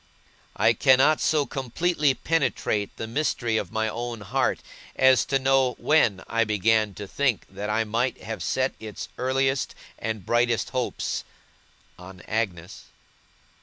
I cannot so completely penetrate the mystery of my own heart, as to know when I began to think that I might have set its earliest and brightest hopes on Agnes.